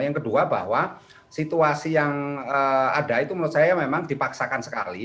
yang kedua bahwa situasi yang ada itu menurut saya memang dipaksakan sekali